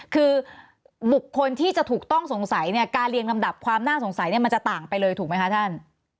คือบุคคลที่จะถูกต้องสงสัยเนี่ยการเรียงลำดับความน่าสงสัยเนี่ยมันจะต่างไปเลยถูกไหมคะท่าน